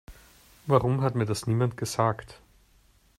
Warum hat mir das niemand gesagt?